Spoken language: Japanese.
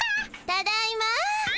・ただいま。